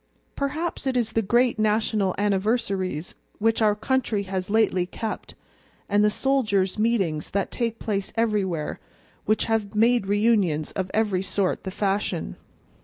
Perhaps it is the great national anniversaries which our country has lately kept, and the soldiers' meetings that take place everywhere, which have made reunions of every sort the fashion.